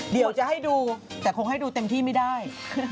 เดี๋ยวจะให้ดูแต่คงให้ดูเต็มที่ไม่ได้